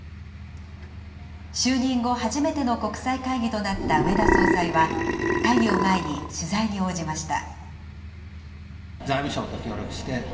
就任後、初めての国際会議となった植田総裁は、会議を前に、取材に応じました。